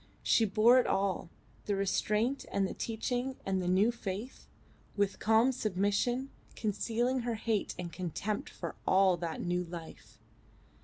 She bore it all the restraint and the teaching and the new faith with calm submission, concealing her hate and contempt for all that new life.